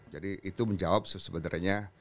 jadi itu menjawab sebenarnya